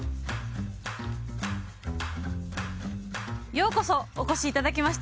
ようこそお越しいただきました。